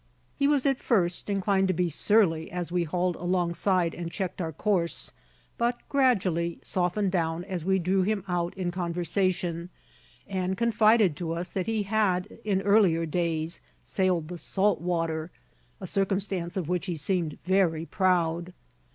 He was at first inclined to be surly, as we hauled alongside and checked our course; but gradually softened down as we drew him out in conversation, and confided to us that he had in earlier days "sailed the salt water," a circumstance of which he seemed very proud.